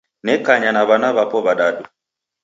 Nekanya na w'ana w'apo w'adadu.